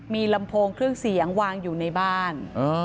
มีลำโพงเครื่องเสียงวางอยู่ในบ้าน